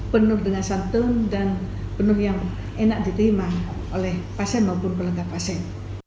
penuh dengan santun dan penuh yang enak diterima oleh pasien maupun pelengkap pasien